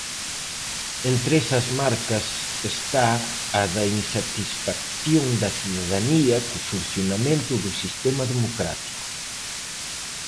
Entre esas marcas está a da insatisfacción da cidadanía co funcionamento do sistema democrático.